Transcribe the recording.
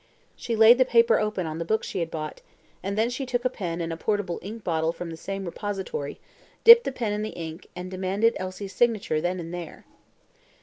She laid the paper open on the book she had bought, then she took a pen and a portable ink bottle from the same repository, dipped the pen in the ink, and demanded Elsie's signature then and there.